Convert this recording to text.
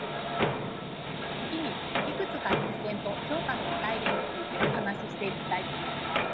次にいくつか実践と評価の具体例についてお話ししていきたいと思います。